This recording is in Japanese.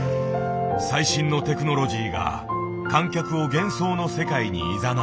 最新のテクノロジーが観客を幻想の世界にいざなう。